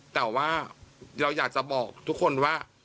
แต่ว่าเราอยากจะบอกทุกคนว่า